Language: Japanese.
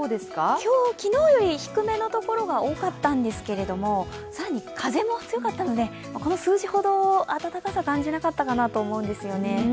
今日、昨日より低めのところが多かったんですけれども、更に風も強かったのでこの数字ほど暖かさを感じなかったかなと思うんですよね。